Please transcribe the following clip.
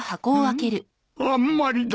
あんまりだ！